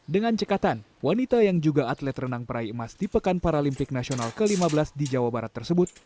dengan cekatan wanita yang juga atlet renang peraih emas di pekan paralimpik nasional ke lima belas di jawa barat tersebut